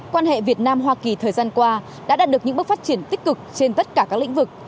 quan hệ việt nam hoa kỳ thời gian qua đã đạt được những bước phát triển tích cực trên tất cả các lĩnh vực